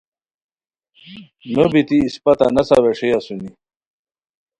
نوبیتی اسپہ تہ نَسہ ویݰے اسونی